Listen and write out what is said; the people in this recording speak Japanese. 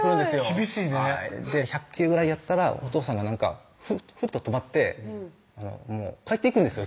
厳しいね１００球ぐらいやったらおとうさんがふっと止まって帰っていくんですよ